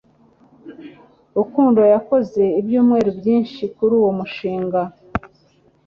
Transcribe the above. Rukundo yakoze ibyumweru byinshi kuri uwo mushinga.